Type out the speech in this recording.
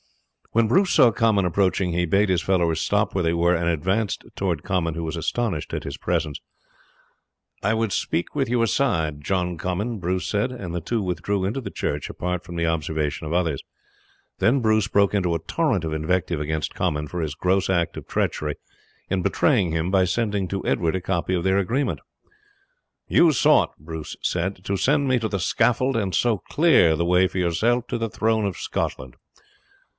When Bruce saw Comyn approaching he bade his followers stop where they were and advanced towards Comyn, who was astonished at his presence. "I would speak with you aside, John Comyn," Bruce said; and the two withdrew into the church apart from the observation of others. Then Bruce broke into a torrent of invective against Comyn for his gross act of treachery in betraying him by sending to Edward a copy of their agreement. "You sought," he said, "to send me to the scaffold, and so clear the way for yourself to the throne of Scotland."